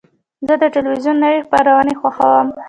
زه د تلویزیون نوی خپرونې خوښوم.